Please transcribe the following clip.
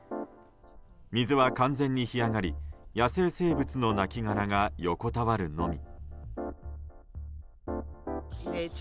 水は、完全に干上がり野生生物の亡きがらが横たわるのみ。